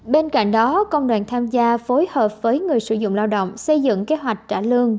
bên cạnh đó công đoàn tham gia phối hợp với người sử dụng lao động xây dựng kế hoạch trả lương